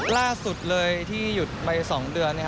ล่าสุดเลยที่หยุดไป๒เดือน